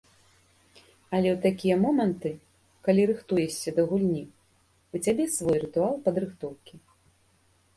Але такія моманты, калі рыхтуешся да гульні, у цябе свой рытуал падрыхтоўкі.